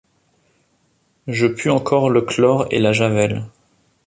Je pue encore le chlore et la javel.